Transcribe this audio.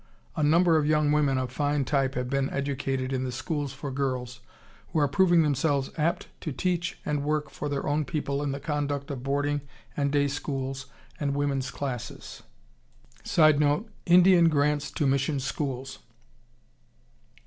A number of young women of fine type have been educated in the schools for girls, who are proving themselves apt to teach and work for their own people in the conduct of boarding and day schools and women's classes. [Sidenote: Indian grants to mission schools.